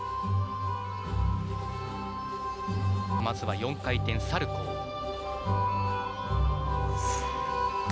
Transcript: まずは４回転サルコウ。